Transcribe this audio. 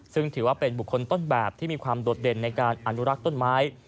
ซึ่งถือว่าเป็นบุคคลต้นแบบที่มีความโดดเด่นในการอนุรักษ์ต้นไม้